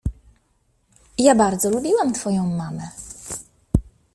Ja bardzo lubiłam twoją mamę.